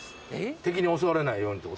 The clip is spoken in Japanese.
敵に襲われないようにってこと？